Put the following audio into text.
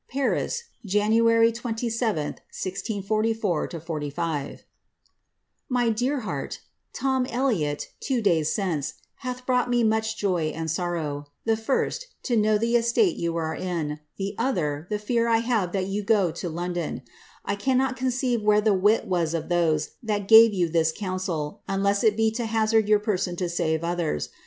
^ Paris, Jan. f^ 1644 S. My dear heart, Tom Elliot, two days since, hath brought me much joy and sorrow ; the fin^ to know the good estate you are in ; the other, the fear I have that jroo fo IS London. I cannot conceive where the wit was of those that gave you this comp sel, unless it be to hazard your person to save theirs.